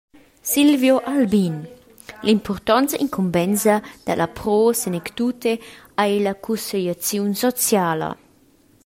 Silvio Albin: L’impurtonta incumbensa dalla Pro Senectute ei la cussegliaziun sociala.